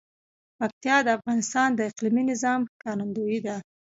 پکتیا د افغانستان د اقلیمي نظام ښکارندوی ده.